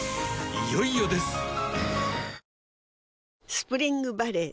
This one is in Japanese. スプリングバレー